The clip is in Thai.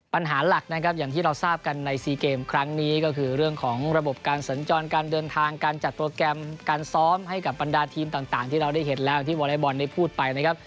ปัญหาหลักนะครับอย่างที่เราทราบกันใน๔เกมครั้งนี้ก็คือเรื่องของระบบการสัญจรการเดินทางการจัดโปรแกรมการซ้อมให้กับบรรดาทีมต่างที่เราได้เห็นแล้วที่วอเล็กบอลได้พูดไปนะครับ